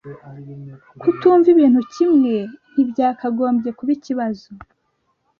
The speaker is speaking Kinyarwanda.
kutumva ibintu kimwe ntibyakagombye kuba ikibazo